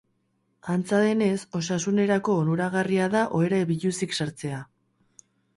Antza denez, osasunerako onuragarria da ohera biluzik sartzea.